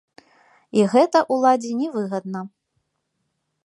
І гэта ўладзе не выгадна.